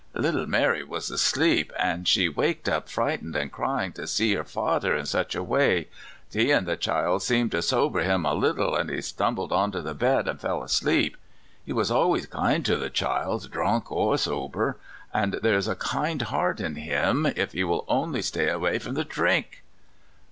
" Little Mary was asleep, an' she waked up frightened an' cryin' to see her father in such a way. Seein' the child seemed to sober him a little, an' he stumbled onto the bed, an' fell asleep. He was always kind to the child, dhrunk or sober. An' there is a good hearty in him if he will only stay away from the dhrink."